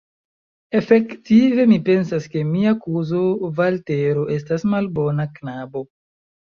Efektive, mi pensas, ke mia kuzo Valtero estas malbona knabo.